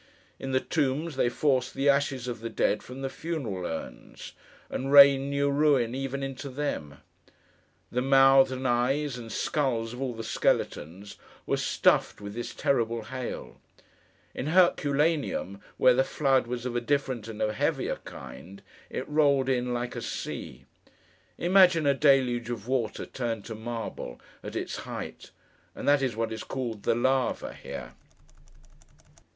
In the tombs, they forced the ashes of the dead from the funeral urns, and rained new ruin even into them. The mouths, and eyes, and skulls of all the skeletons, were stuffed with this terrible hail. In Herculaneum, where the flood was of a different and a heavier kind, it rolled in, like a sea. Imagine a deluge of water turned to marble, at its height—and that is what is called 'the lava' here.